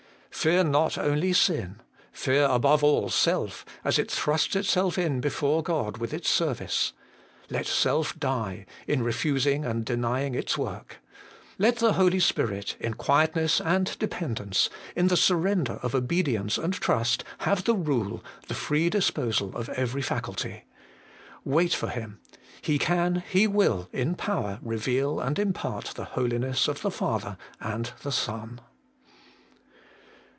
Fear not only sin : fear above all self, as it thrusts itself in before God with its service. Let self die, in refusing and denying its work : let the Holy Spirit, in quietness, and depend ence, in the surrender of obedience and trtist, have *,he rule, the free disposal of every faculty. Wait for Him He can, He will in power reveal and impart the Holiness of the Father and the Son.